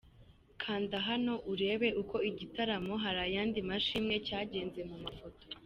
Kanda hano urebe uko igitaramo Hari ayandi mashimwe cyagenze mu mafoto.